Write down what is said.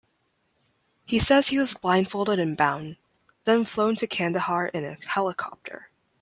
He says he was blindfolded and bound, then flown to Kandahar in a helicopter.